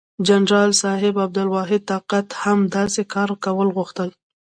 جنرال صاحب عبدالواحد طاقت هم داسې کار کول غوښتل.